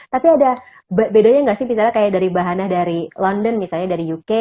tapi ada bedanya nggak sih misalnya kayak dari bahana dari london misalnya dari uk